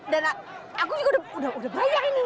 dan aku juga udah bayar ini